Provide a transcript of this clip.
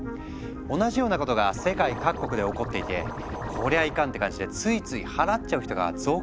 同じようなことが世界各国で起こっていて「こりゃいかん」って感じでついつい払っちゃう人が続出してるんだって。